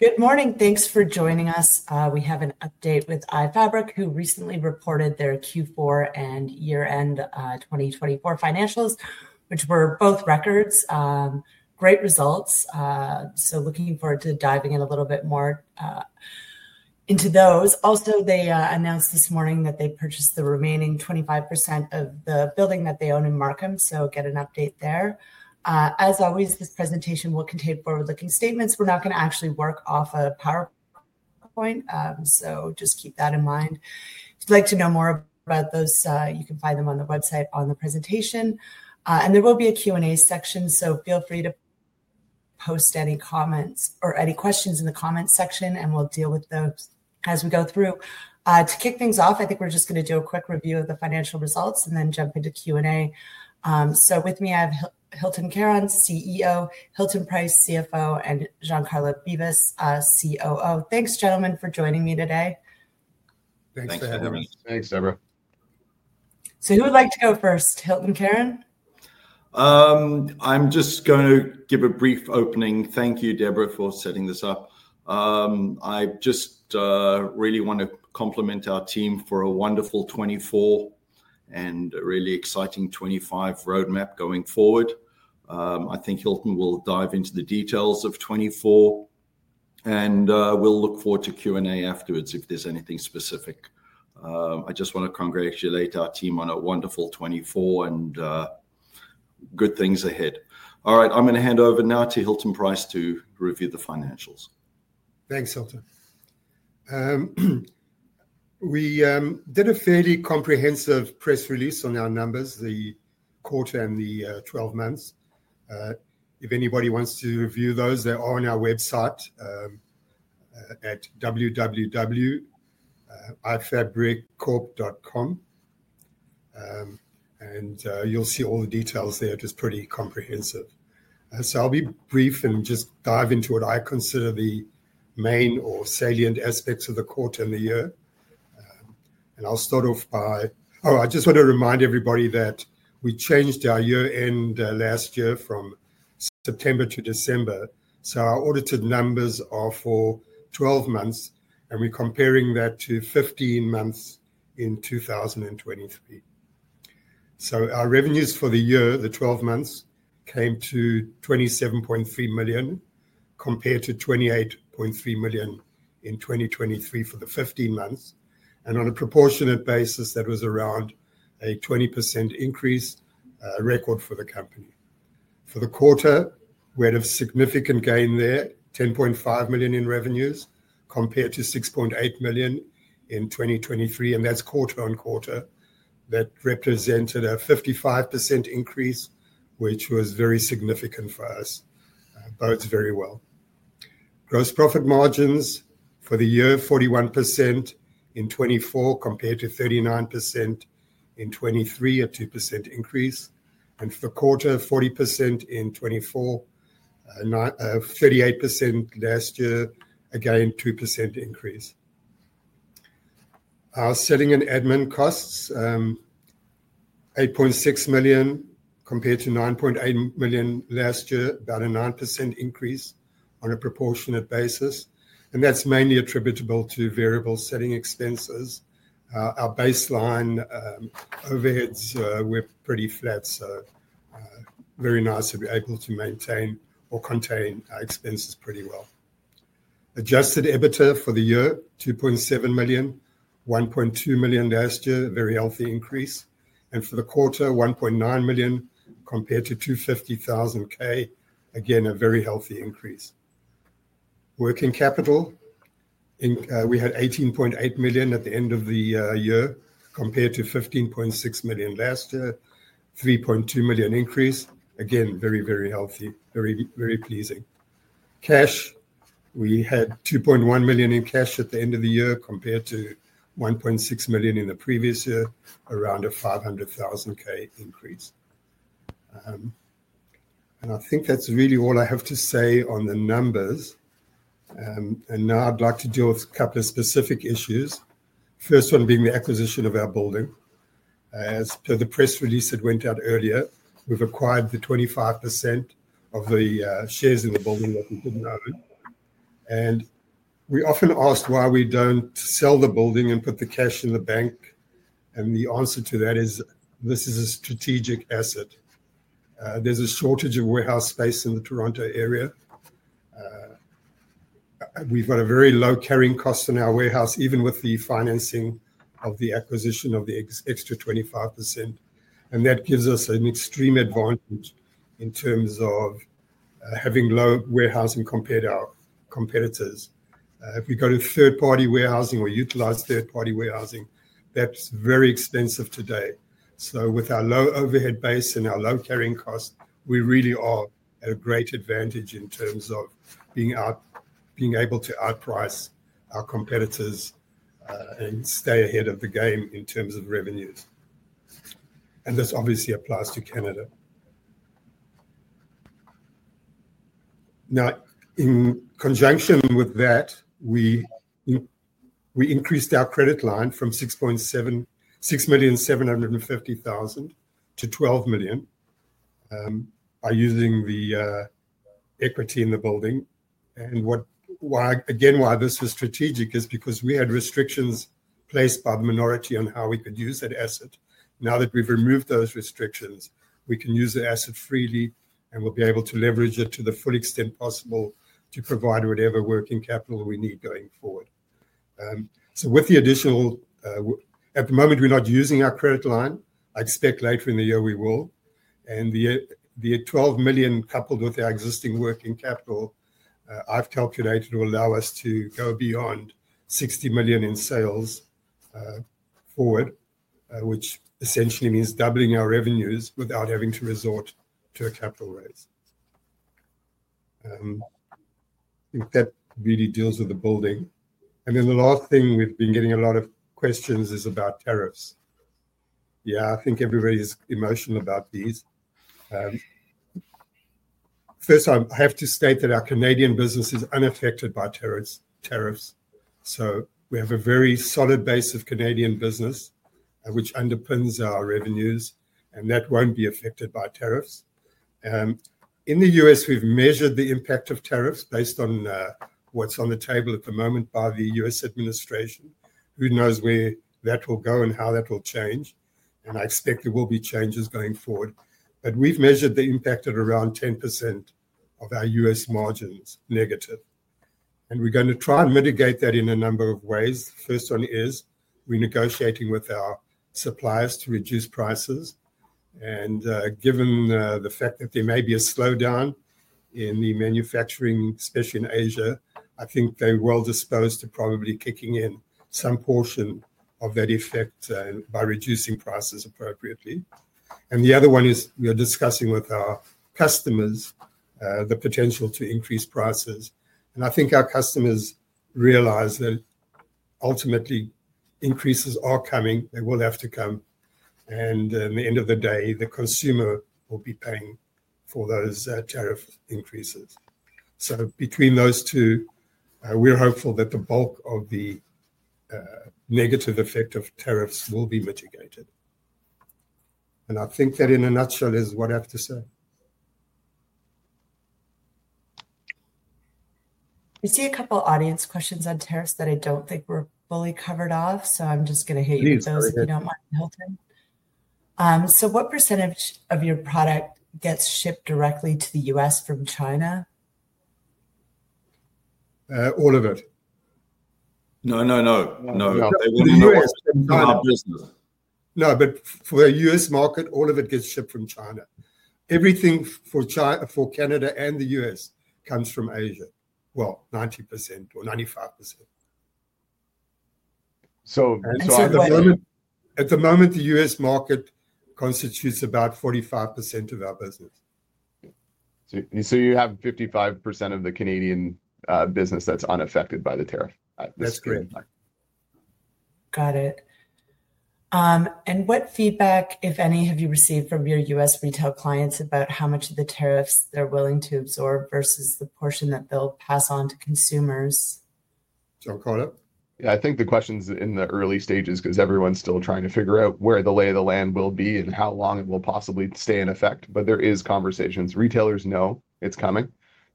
Good morning. Thanks for joining us. We have an update with iFabric, who recently reported their Q4 and year-end 2024 financials, which were both records. Great results. Looking forward to diving in a little bit more into those. Also, they announced this morning that they purchased the remaining 25% of the building that they own in Markham. Get an update there. As always, this presentation will contain forward-looking statements. We're not going to actually work off a PowerPoint, so just keep that in mind. If you'd like to know more about those, you can find them on the website on the presentation. There will be a Q&A section, so feel free to post any comments or any questions in the comments section, and we'll deal with those as we go through. To kick things off, I think we're just going to do a quick review of the financial results and then jump into Q&A. With me I have Hylton Karon, CEO, Hilton Price, CFO, and Giancarlo Beevis, COO. Thanks, gentlemen, for joining me today. Thanks for having us. Thanks, Deborah. Who would like to go first? Hylton Karon? I'm just going to give a brief opening. Thank you, Deborah, for setting this up. I just really want to compliment our team for a wonderful 2024 and a really exciting 2025 roadmap going forward. I think Hilton will dive into the details of 2024, and we'll look forward to Q&A afterwards if there's anything specific. I just want to congratulate our team on a wonderful 2024 and good things ahead. All right, I'm going to hand over now to Hilton Price to review the financials. Thanks, Hylton. We did a fairly comprehensive press release on our numbers, the quarter and the 12 months. If anybody wants to review those, they are on our website at www.iFabriccorp.com, and you'll see all the details there. It is pretty comprehensive. I'll be brief and just dive into what I consider the main or salient aspects of the quarter and the year. I just want to remind everybody that we changed our year-end last year from September to December. Our audited numbers are for 12 months, and we're comparing that to 15 months in 2023. Our revenues for the year, the 12 months, came to $27.3 million compared to $28.3 million in 2023 for the 15 months. On a proportionate basis, that was around a 20% increase record for the company. For the quarter, we had a significant gain there, $10.5 million in revenues compared to $6.8 million in 2023. That is quarter-on-quarter. That represented a 55% increase, which was very significant for us. Both very well. Gross profit margins for the year, 41% in 2024 compared to 39% in 2023, a 2% increase. For the quarter, 40% in 2024, 38% last year, again, 2% increase. Our selling and admin costs, $8.6 million compared to $9.8 million last year, about a 9% increase on a proportionate basis. That is mainly attributable to variable selling expenses. Our baseline overheads were pretty flat, so very nice to be able to maintain or contain our expenses pretty well. Adjusted EBITDA for the year, $2.7 million, $1.2 million last year, very healthy increase. For the quarter, $1.9 million compared to $250,000, again, a very healthy increase. Working Capital, we had $18.8 million at the end of the year compared to $15.6 million last year, a $3.2 million increase. Very, very healthy, very, very pleasing. Cash, we had $2.1 million in cash at the end of the year compared to $1.6 million in the previous year, around a $500,000 increase. I think that's really all I have to say on the numbers. Now I'd like to deal with a couple of specific issues. First one being the acquisition of our building. As per the press release that went out earlier, we've acquired the 25% of the shares in the building that we didn't own. We are often asked why we don't sell the building and put the cash in the bank. The answer to that is this is a Strategic Asset. There's a shortage of warehouse space in the Toronto area. We've got a very low carrying cost in our warehouse, even with the financing of the acquisition of the extra 25%. That gives us an extreme advantage in terms of having low warehousing compared to our competitors. If we go to third-party warehousing or utilize third-party warehousing, that's very expensive today. With our low overhead base and our low carrying cost, we really are at a great advantage in terms of being able to outprice our competitors and stay ahead of the game in terms of revenues. This obviously applies to Canada. In conjunction with that, we increased our credit line from $6,750,000 to $12 million by using the equity in the building. Again, why this was strategic is because we had restrictions placed by the minority on how we could use that asset. Now that we've removed those restrictions, we can use the asset freely, and we'll be able to leverage it to the full extent possible to provide whatever Working Capital we need going forward. With the additional, at the moment, we're not using our credit line. I expect later in the year we will. The $12 million, coupled with our existing Working Capital, I've calculated will allow us to go beyond $60 million in sales forward, which essentially means doubling our revenues without having to resort to a capital raise. I think that really deals with the building. The last thing we've been getting a lot of questions about is tariffs. I think everybody's emotional about these. First, I have to state that our Canadian business is unaffected by tariffs. We have a very solid base of Canadian business, which underpins our revenues, and that will not be affected by tariffs. In the U.S., we have measured the impact of tariffs based on what is on the table at the moment by the U.S. Administration. Who knows where that will go and how that will change. I expect there will be changes going forward. We have measured the impact at around 10% of our U.S. margins negative. We are going to try and mitigate that in a number of ways. The first one is we are negotiating with our suppliers to reduce prices. Given the fact that there may be a slowdown in the manufacturing, especially in Asia, I think they are well disposed to probably kicking in some portion of that effect by reducing prices appropriately. The other one is we are discussing with our customers the potential to increase prices. I think our customers realize that ultimately increases are coming. They will have to come. In the end of the day, the consumer will be paying for those tariff increases. Between those two, we're hopeful that the bulk of the negative effect of tariffs will be mitigated. I think that in a nutshell is what I have to say. We see a couple of audience questions on tariffs that I do not think were fully covered off, so I am just going to hit you with those, if you do not mind, Hilton. What percentage of your product gets shipped directly to the U.S. from China? All of it. No, no, no. No, no. No, but for the U.S. market, all of it gets shipped from China. Everything for Canada and the U.S. comes from Asia. Well, 90% or 95%. At the moment, the U.S. market constitutes about 45% of our business. You have 55% of the Canadian business that's unaffected by the tariff. That's correct. Got it. What feedback, if any, have you received from your U.S. retail clients about how much of the tariffs they're willing to absorb versus the portion that they'll pass on to consumers? Do you want to quote it. Yeah, I think the question's in the early stages because everyone's still trying to figure out where the lay of the land will be and how long it will possibly stay in effect. There are conversations. Retailers know it's coming.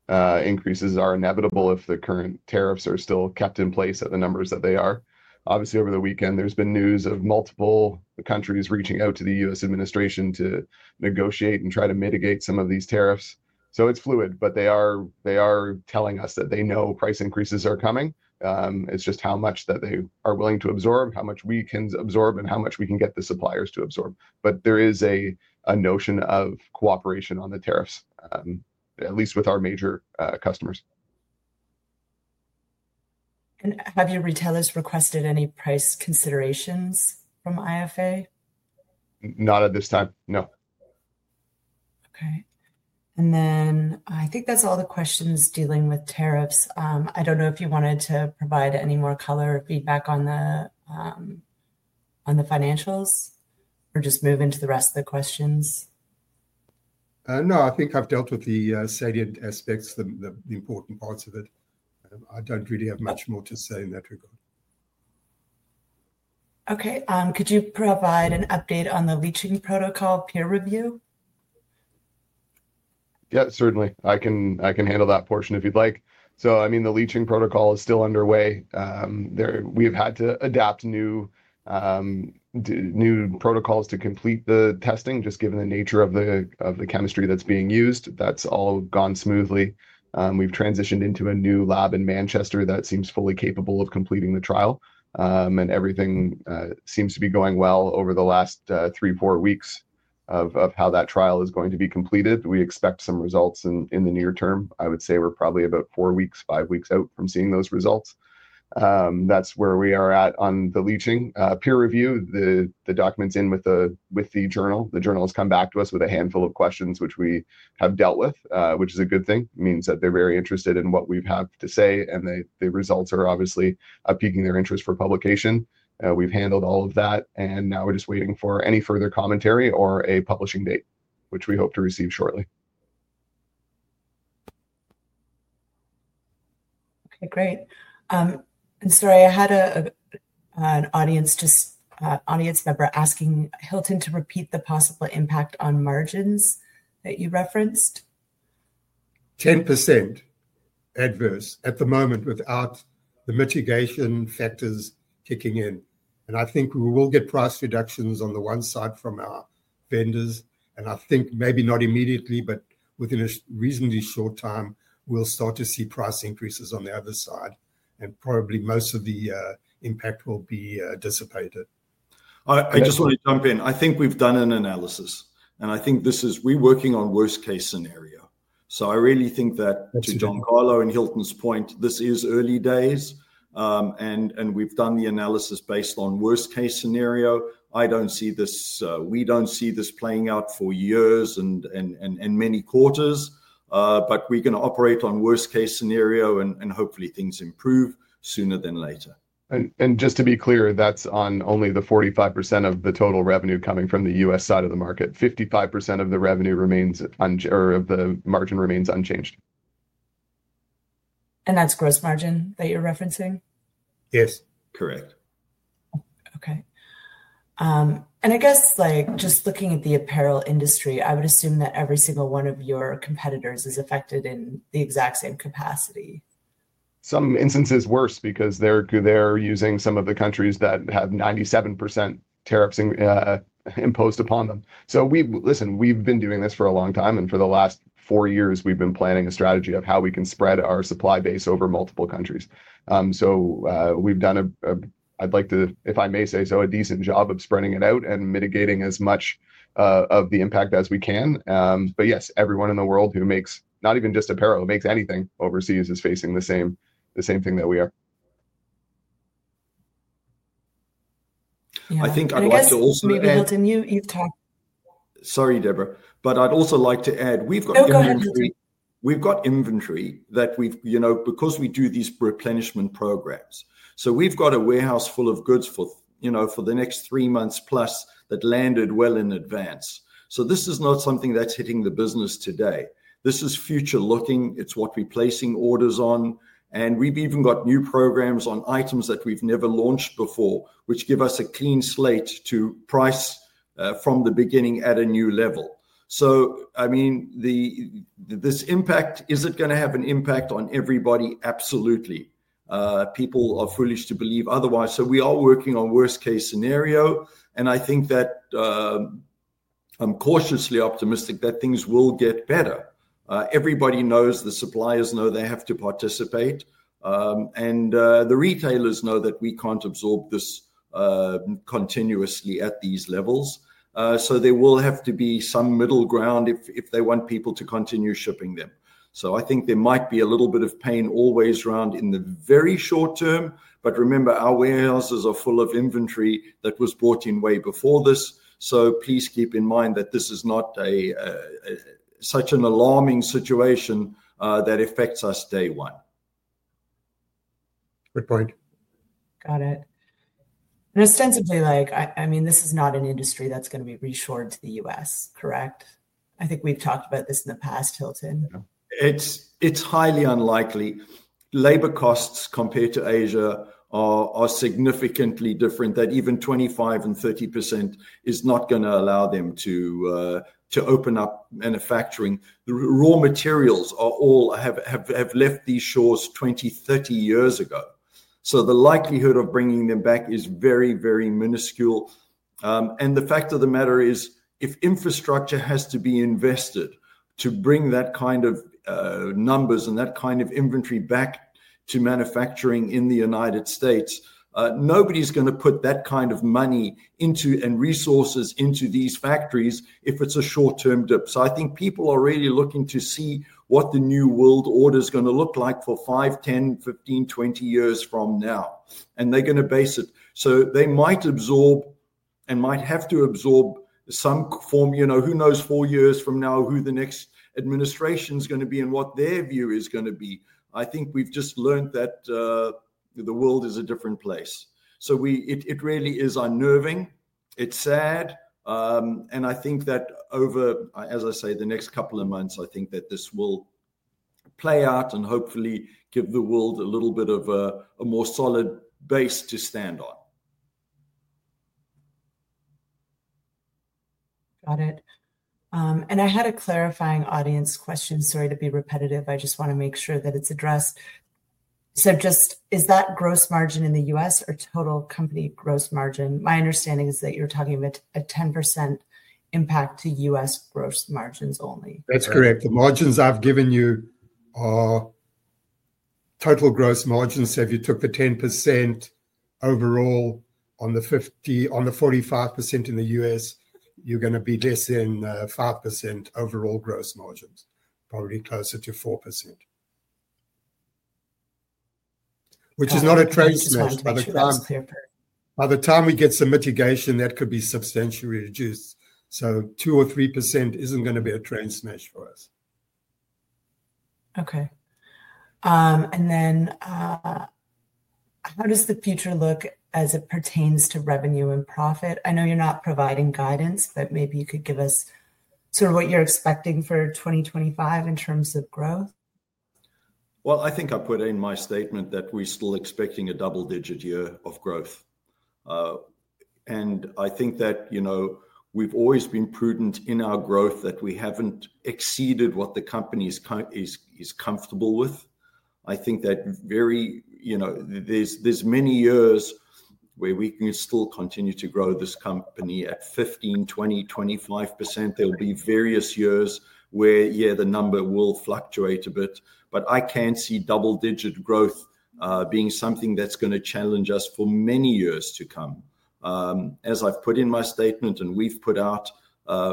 Increases are inevitable if the current tariffs are still kept in place at the numbers that they are. Obviously, over the weekend, there's been news of multiple countries reaching out to the U.S. administration to negotiate and try to mitigate some of these tariffs. It's fluid, but they are telling us that they know price increases are coming. It's just how much that they are willing to absorb, how much we can absorb, and how much we can get the suppliers to absorb. There is a notion of cooperation on the tariffs, at least with our major customers. Have your retailers requested any price considerations from IFA? Not at this time. No. Okay. I think that's all the questions dealing with tariffs. I don't know if you wanted to provide any more color or feedback on the financials or just move into the rest of the questions. No, I think I've dealt with the salient aspects, the important parts of it. I don't really have much more to say in that regard. Okay. Could you provide an update on the Leaching Protocol Peer Review? Yeah, certainly. I can handle that portion if you'd like. I mean, the Leaching Protocol is still underway. We have had to adapt new protocols to complete the testing, just given the nature of the chemistry that's being used. That's all gone smoothly. We've transitioned into a new lab in Manchester that seems fully capable of completing the trial. Everything seems to be going well over the last three, four weeks of how that trial is going to be completed. We expect some results in the near term. I would say we're probably about four weeks, five weeks out from seeing those results. That's where we are at on the Leaching. Peer review, the document's in with the journal. The journal has come back to us with a handful of questions, which we have dealt with, which is a good thing. It means that they're very interested in what we've had to say, and the results are obviously piquing their interest for publication. We've handled all of that, and now we're just waiting for any further commentary or a publishing date, which we hope to receive shortly. Okay, great. I'm sorry, I had an audience member asking Hylton to repeat the possible impact on margins that you referenced. 10% adverse at the moment without the mitigation factors kicking in. I think we will get price reductions on the one side from our vendors. I think maybe not immediately, but within a reasonably short time, we'll start to see price increases on the other side. Probably most of the impact will be dissipated. I just want to jump in. I think we've done an analysis, and I think this is we're working on worst-case scenario. I really think that to Giancarlo and Hylton's point, this is early days. We've done the analysis based on worst-case scenario. I don't see this, we don't see this playing out for years and many quarters. We're going to operate on worst-case scenario, and hopefully things improve sooner than later. Just to be clear, that's on only the 45% of the total revenue coming from the U.S. side of the market. 55% of the revenue or of the margin remains unchanged. That's gross margin that you're referencing? Yes, correct. Okay. I guess just looking at the Apparel Industry, I would assume that every single one of your competitors is affected in the exact same capacity. Some instances are worse because they're using some of the countries that have 97% tariffs imposed upon them. Listen, we've been doing this for a long time. For the last four years, we've been planning a strategy of how we can spread our supply base over multiple countries. We've done, if I may say so, a decent job of spreading it out and mitigating as much of the impact as we can. Yes, everyone in the world who makes not even just Apparel, who makes anything overseas is facing the same thing that we are. I think I'd like to also. You have talked. Sorry, Deborah, but I'd also like to add we've got inventory that we've because we do these replenishment programs. We've got a warehouse full of goods for the next three months plus that landed well in advance. This is not something that's hitting the business today. This is future-looking. It's what we're placing orders on. We've even got new programs on items that we've never launched before, which give us a clean slate to price from the beginning at a new level. I mean, this impact, is it going to have an impact on everybody? Absolutely. People are foolish to believe otherwise. We are working on worst-case scenario. I think that I'm cautiously optimistic that things will get better. Everybody knows, the suppliers know they have to participate. The retailers know that we can't absorb this continuously at these levels. There will have to be some middle ground if they want people to continue shipping them. I think there might be a little bit of pain always around in the very short term. Remember, our warehouses are full of inventory that was brought in way before this. Please keep in mind that this is not such an alarming situation that affects us day one. Good point. Got it. Ostensibly, I mean, this is not an industry that's going to be reshored to the U.S., correct? I think we've talked about this in the past, Hilton. It's highly unlikely. Labor costs compared to Asia are significantly different that even 25% and 30% is not going to allow them to open up manufacturing. Raw materials have left these shores 20, 30 years ago. The likelihood of bringing them back is very, very minuscule. The fact of the matter is, if infrastructure has to be invested to bring that kind of numbers and that kind of inventory back to manufacturing in the United States, nobody's going to put that kind of money and resources into these factories if it's a short-term dip. I think people are really looking to see what the new world order is going to look like for five, 10, 15, 20 years from now. They're going to base it. They might absorb and might have to absorb some form. Who knows four years from now who the next administration is going to be and what their view is going to be. I think we've just learned that the world is a different place. It really is unnerving. It's sad. I think that over, as I say, the next couple of months, I think that this will play out and hopefully give the world a little bit of a more solid base to stand on. Got it. I had a clarifying audience question. Sorry to be repetitive. I just want to make sure that it's addressed. Just is that Gross Margin in the U.S. or Total Company Gross Margin? My understanding is that you're talking about a 10% impact to U.S. Gross Margins only. That's correct. The margins I've given you are Total Gross Margins. If you took the 10% overall on the 45% in the U.S., you're going to be less than 5% overall gross margins, probably closer to 4%, which is not a trade smash. By the time we get some mitigation, that could be substantially reduced. 2% or 3% isn't going to be a trade smash for us. Okay. How does the future look as it pertains to Revenue and Profit? I know you're not providing guidance, but maybe you could give us sort of what you're expecting for 2025 in terms of growth. I think I put in my statement that we're still expecting a double-digit year of growth. I think that we've always been prudent in our growth, that we haven't exceeded what the company is comfortable with. I think that there are many years where we can still continue to grow this company at 15%, 20%, 25%. There will be various years where, yeah, the number will fluctuate a bit. I can see double-digit growth being something that's going to challenge us for many years to come. As I've put in my statement and we've put out,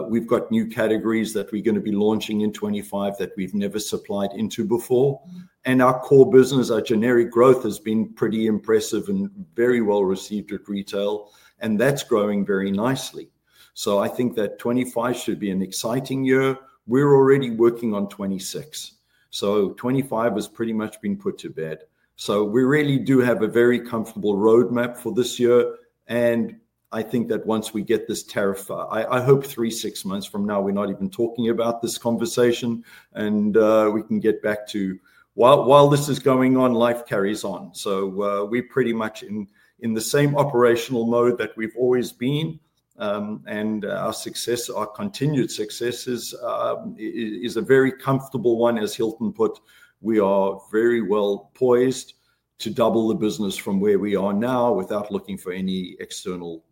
we've got new categories that we're going to be launching in 2025 that we've never supplied into before. Our core business, our generic growth, has been pretty impressive and very well received at retail. That's growing very nicely. I think that 2025 should be an exciting year. We're already working on 2026. 2025 has pretty much been put to bed. We really do have a very comfortable roadmap for this year. I think that once we get this tariff, I hope three to six months from now, we're not even talking about this conversation and we can get back to, while this is going on, life carries on. We're pretty much in the same operational mode that we've always been. Our success, our continued success, is a very comfortable one, as Hylton put. We are very well poised to double the business from where we are now without looking for any external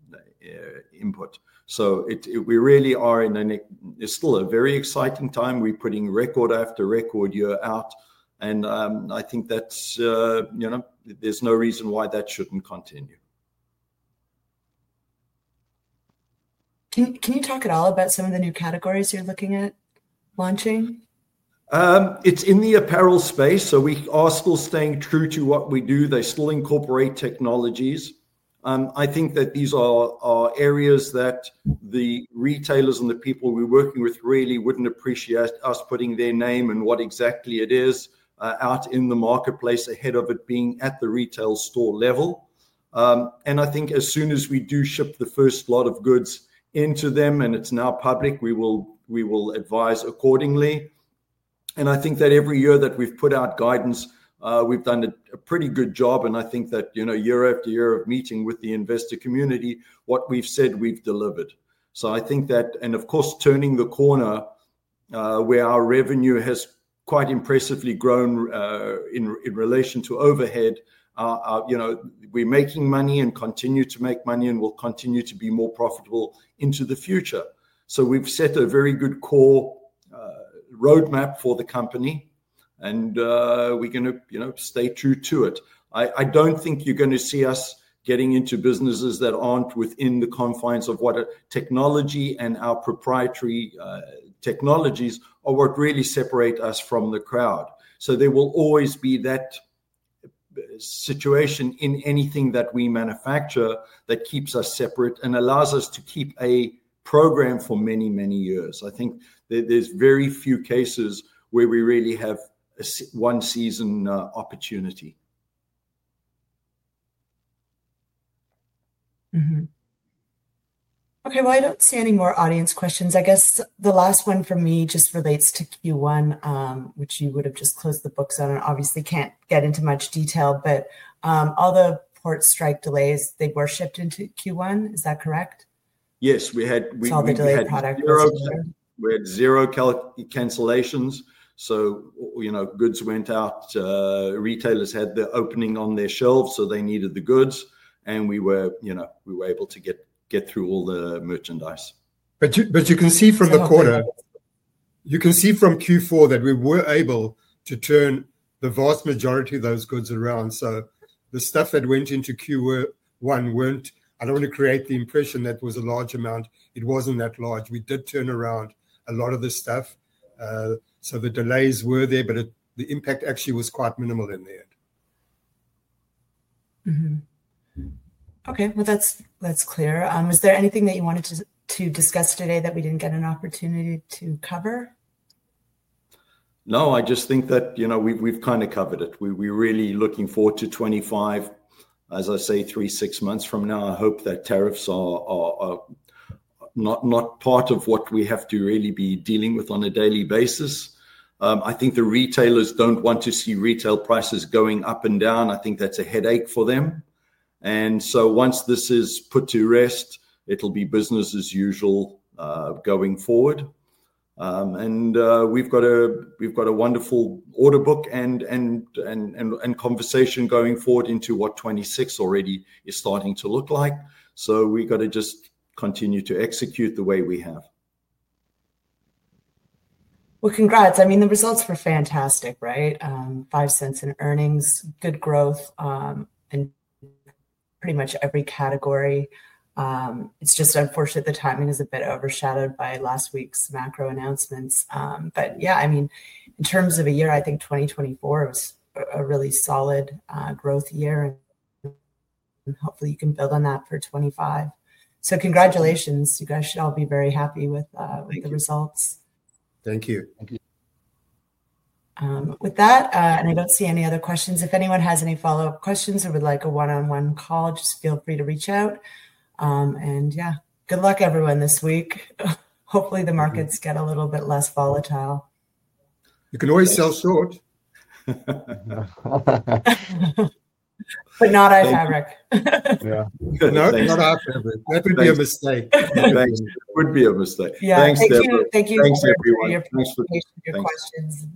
input. We really are in a still a very exciting time. We're putting record after record year out. I think that there's no reason why that shouldn't continue. Can you talk at all about some of the new categories you're looking at launching? It's in the Apparel space. We are still staying true to what we do. They still incorporate technologies. I think that these are areas that the retailers and the people we're working with really wouldn't appreciate us putting their name and what exactly it is out in the marketplace ahead of it being at the retail store level. I think as soon as we do ship the first lot of goods into them and it's now public, we will advise accordingly. I think that every year that we've put out guidance, we've done a pretty good job. I think that year after year of meeting with the investor community, what we've said, we've delivered. I think that, and of course, turning the corner where our revenue has quite impressively grown in relation to overhead, we're making money and continue to make money and will continue to be more profitable into the future. We have set a very good core roadmap for the company and we're going to stay true to it. I don't think you're going to see us getting into businesses that aren't within the confines of what technology and our proprietary technologies are what really separate us from the crowd. There will always be that situation in anything that we manufacture that keeps us separate and allows us to keep a program for many, many years. I think there's very few cases where we really have one season opportunity. Okay. I do not see any more audience questions. I guess the last one for me just relates to Q1, which you would have just closed the books on and obviously cannot get into much detail, but all the port strike delays, they were shipped into Q1. Is that correct? Yes. We had zero delay products. We had zero cancellations. Goods went out. Retailers had the opening on their shelves, so they needed the goods. We were able to get through all the merchandise. You can see from the quarter, you can see from Q4 that we were able to turn the vast majority of those goods around. The stuff that went into Q1 were not, I do not want to create the impression that was a large amount. It was not that large. We did turn around a lot of the stuff. The delays were there, but the impact actually was quite minimal in the end. Okay. That's clear. Was there anything that you wanted to discuss today that we didn't get an opportunity to cover? No, I just think that we've kind of covered it. We're really looking forward to 2025. As I say, three, six months from now, I hope that tariffs are not part of what we have to really be dealing with on a daily basis. I think the retailers don't want to see retail prices going up and down. I think that's a headache for them. Once this is put to rest, it'll be business as usual going forward. We've got a wonderful order book and conversation going forward into what 2026 already is starting to look like. We've got to just continue to execute the way we have. Congratulations. I mean, the results were fantastic, right? $0.5 in earnings, good growth in pretty much every category. It is just unfortunate the timing is a bit overshadowed by last week's macro announcements. Yeah, I mean, in terms of a year, I think 2024 was a really solid growth year. Hopefully you can build on that for 2025. Congratulations. You guys should all be very happy with the results. Thank you. With that, I don't see any other questions. If anyone has any follow-up questions or would like a one-on-one call, just feel free to reach out. Yeah, good luck everyone this week. Hopefully the markets get a little bit less volatile. You can always sell short. Not iFabric. Yeah. No, not iFabric. That would be a mistake. That would be a mistake. Thanks, Deborah. Thank you. Thanks, everyone. Thanks for the questions.